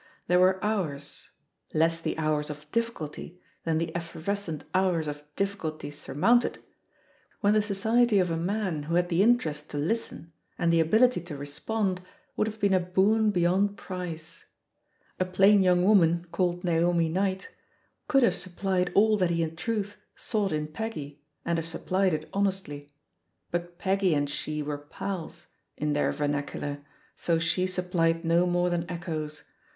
There were hours — ^less the hours of diffi culty than the effervescent hours of diflBiculties surmounted — ^when the society of a man who had the interest to listen and the ability to respond would have been a boon beyond price. A plain young woman, called Naomi Knight, could have THE POSITION OF PEGGY HARPER 8T supplied all that he in truth sought in Peggy, and have supplied it honestly. But Peggy and she were "pals" — in their vernacular — so she supplied no more than echoes.